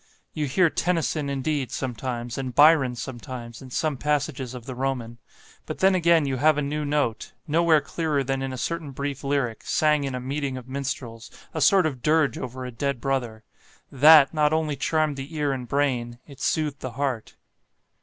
You hear Tennyson, indeed, sometimes, and Byron sometimes, in some passages of the Roman; but then again you have a new note, nowhere clearer than in a certain brief lyric, sang in a meeting of minstrels, a sort of dirge over a dead brother; THAT not only charmed the ear and brain, it soothed the heart."